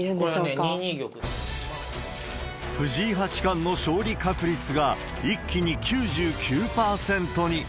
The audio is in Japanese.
これはね、藤井八冠の勝利確率が、一気に９９％に。